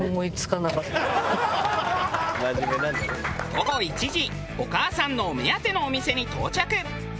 午後１時お母さんのお目当てのお店に到着。